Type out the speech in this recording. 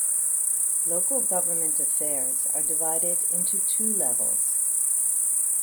Local government affairs are divided into two levels.